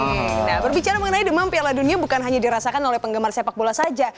nah berbicara mengenai demam piala dunia bukan hanya dirasakan oleh penggemar sepak bola saja